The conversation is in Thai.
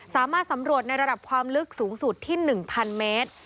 สามารถสำรวจในระดับความลึกสูงสุดที่๑๐๐เมตร